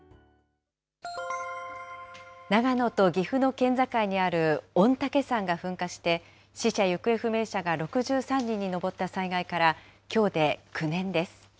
県境にある御嶽山が噴火して、死者・行方不明者が６３人に上った災害から、きょうで９年です。